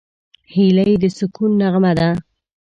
هیلۍ د سکون نغمه ده